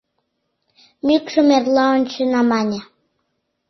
Мӱкшым эрла ончена, мане.